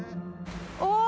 お！